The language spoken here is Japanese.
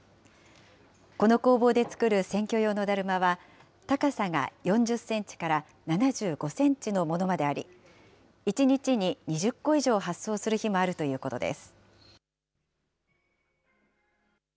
この工房で作る選挙用のだるまは、高さが４０センチから７５センチのものまであり、１日に２０個以上発送する日もあるということです。